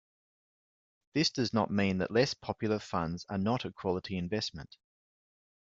This does not mean that less popular funds are not a quality investment.